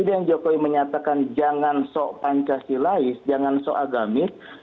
presiden jokowi menyatakan jangan so pancasilais jangan so agamis